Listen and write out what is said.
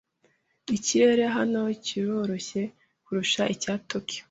Ikirere hano kiroroshye kurusha icya Tokiyo.